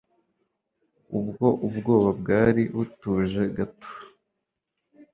Ubwo ubwoba bwari butuje gato